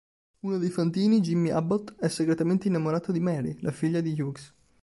Uno dei fantini, Jimmy Abbott, è segretamente innamorato di Mary, la figlia di Hughes.